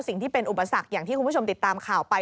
สิ่งที่เป็นอุปสรรคอย่างที่คุณผู้ชมติดตามข่าวไป